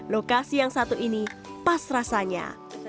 lokasi yang satu ini pas rasanya